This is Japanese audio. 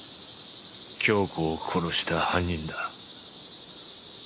杏子を殺した犯人だ。